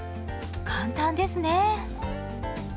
簡単ですね。